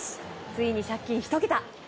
ついに借金、１桁。